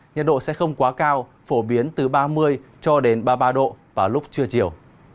nhiệt độ sẽ không quá cao phổ biến từ ba mươi ba mươi ba độ vào lúc trưa chiều